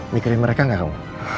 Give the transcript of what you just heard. mikirin mereka gak kamu